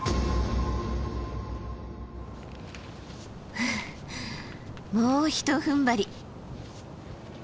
ふうもうひとふんばり。